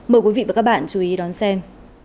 mời quý vị và các bạn chú ý đón xem